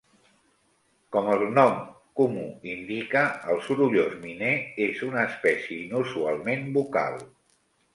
Com el nom comú indica, el sorollós miner és una espècie inusualment vocal.